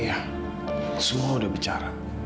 iya semua udah bicara